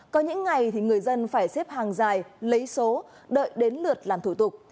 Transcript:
có những ngày thì người dân phải xếp hàng dài lấy số đợi đến lượt làm thủ tục